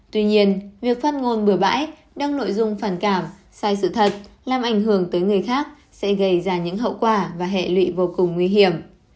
tuy nhiên việc phát ngôn bừa bãi đăng nội dung phản cảm sai sự thật làm ảnh hưởng tới người khác sẽ gây ra những hậu quả và hệ lụy vô cùng nguy hiểm